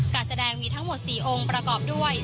การแสดงมีทั้งหมด๔องค์ประกอบด้วย